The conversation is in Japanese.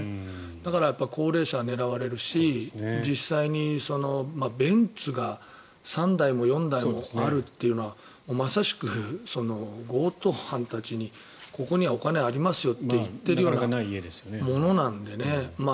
だから、高齢者が狙われるし実際にベンツが３台も４台もあるというのはまさしく、強盗犯たちにここにはお金ありますよと言ってるようなものなんでね。